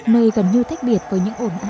nơi gần như tách biệt với những nơi khác